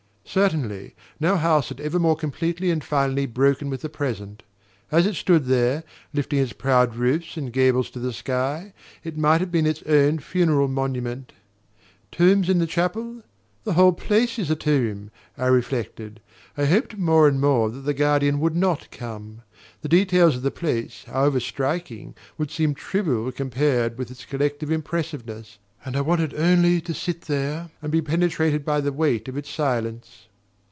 Certainly no house had ever more completely and finally broken with the present. As it stood there, lifting its proud roofs and gables to the sky, it might have been its own funeral monument. "Tombs in the chapel? The whole place is a tomb!" I reflected. I hoped more and more that the guardian would not come. The details of the place, however striking, would seem trivial compared with its collective impressiveness; and I wanted only to sit there and be penetrated by the weight of its silence.